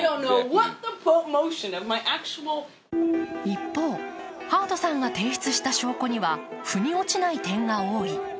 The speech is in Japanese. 一方、ハードさんが提出した証拠には腑に落ちない点が多い。